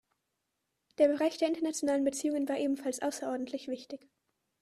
Der Bereich der internationalen Beziehungen war ebenfalls außerordentlich wichtig.